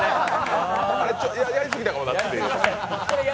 あれ、ちょっとやりすぎたかもなっていう。